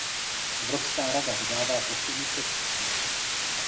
Evropská rada vydává pokyny pro postup.